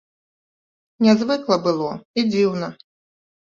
Нязвыкла было і дзіўна.